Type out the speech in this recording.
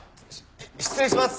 失礼します。